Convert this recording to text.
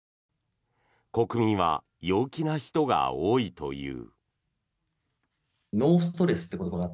国民は陽気な人が多いという。